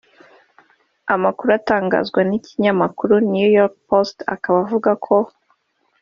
Amakuru atangazwa n’ikinyamakuru New York Post akaba avuga ko